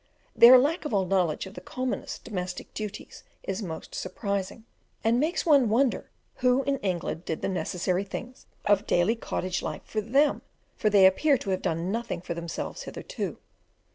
Their lack of all knowledge of the commonest domestic duties is most surprising, and makes one wonder who in England did the necessary things of daily cottage life for them, for they appear to have done nothing for themselves hitherto.